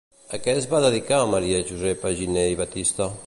A què es va dedicar Maria Josepa Giner i Batista?